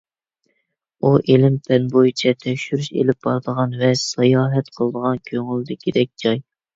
ئۇ، ئىلىم-پەن بويىچە تەكشۈرۈش ئېلىپ بارىدىغان ۋە ساياھەت قىلىدىغان كۆڭۈلدىكىدەك جاي.